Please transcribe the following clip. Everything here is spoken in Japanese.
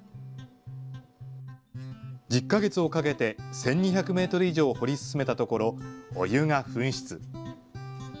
１０か月をかけて１２００メートル以上掘り進めたところ、お湯が噴出。